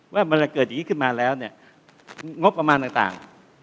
ว่าเมื่อเกิดอย่างนี้ขึ้นมาแล้วงบประมาณต่าง